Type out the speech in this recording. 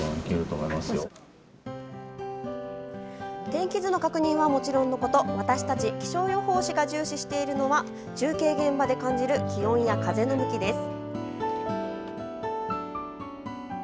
天気図の確認はもちろんのこと私たち気象予報士が重視しているのは中継現場で感じる気温や風の向きです。